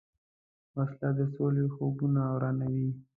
وسله د سولې خوبونه ورانوي